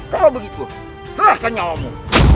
kalau begitu serahkan nyawamu